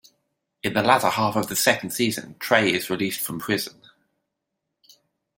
In the latter half of the second season, Trey is released from prison.